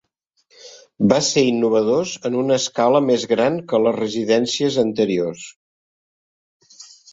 Va ser innovadors en una escala més gran que les residències anteriors.